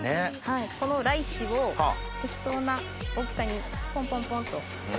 このライチを適当な大きさにポンポンポンと。